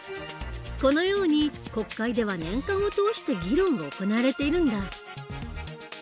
このように国会では年間を通して議論が行われているんだ。